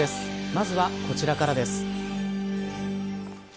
まずは、こちらからです。